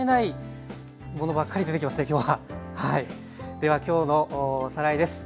では今日のおさらいです。